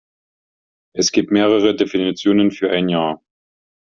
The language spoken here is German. Es gibt mehrere Definitionen für ein Jahr.